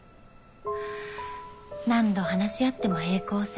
何度話し合っても平行線。